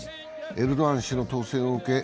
エルドアン氏の当選を受け